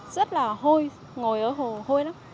rất là hôi ngồi ở hồ hôi lắm